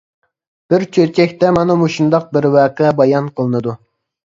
بىر چۆچەكتە مانا مۇشۇنداق بىر ۋەقە بايان قىلىنىدۇ.